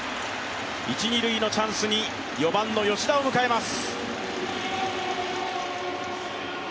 一・二塁のチャンスに４番の吉田を迎えます。